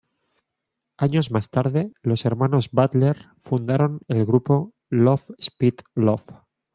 Años más tarde los hermanos Butler fundaron el grupo Love Spit Love.